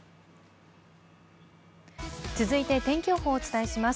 続いて天気予報をお伝えします。